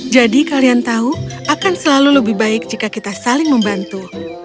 jadi kalian tahu akan selalu lebih baik jika kita saling membantu